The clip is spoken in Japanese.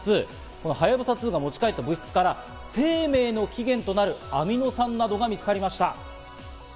このはやぶさ２が持ち帰った物質から生命の起源となるアミノ酸などが見つかりました。